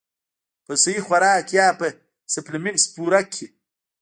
پۀ سهي خوراک يا پۀ سپليمنټس پوره کړي -